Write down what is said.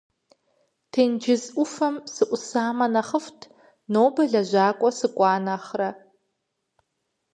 Тенджыз ӏуфэм сыӏусамэ нэхъыфӏт, нобэ лэжьакӏуэ сыкӏуа нэхърэ!